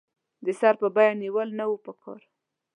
د سر په بیه نېول نه وو پکار.